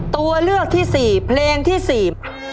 ตัวเลือกที่สี่เพลงที่สี่